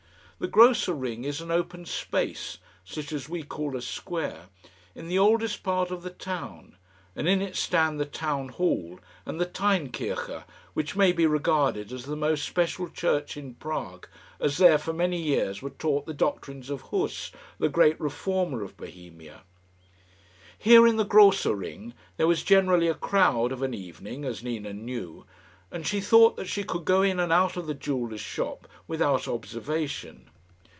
The Grosser Ring is an open space such as we call a square in the oldest part of the town, and in it stand the Town Hall and the Theinkirche, which may be regarded as the most special church in Prague, as there for many years were taught the doctrines of Huss, the great Reformer of Bohemia. Here, in the Grosser Ring, there was generally a crowd of an evening, as Nina knew, and she thought that she could go in and out of the jeweller's shop without observation.